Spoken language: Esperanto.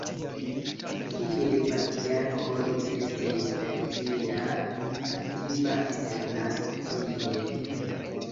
Kiel patriarko li estis speciale aktiva internacie.